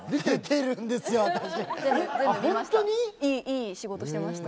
いい仕事してました。